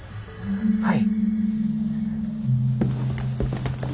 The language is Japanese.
はい。